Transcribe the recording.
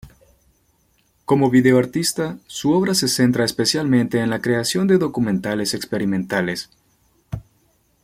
Como video artista, su obra se centra especialmente en la creación de documentales experimentales.